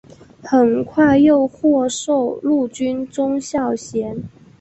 很快又获授陆军中校衔。